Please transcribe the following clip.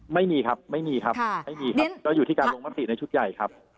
ไม่มีครับต้องอยู่ที่การลงมันติในชุดใหญ่